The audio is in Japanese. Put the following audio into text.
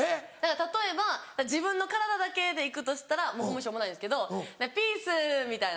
例えば自分の体だけで行くとしたらもうしょうもないんですけど「ピース！」みたいな。